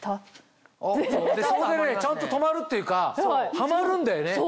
そこでちゃんと止まるっていうかハマるんだよね。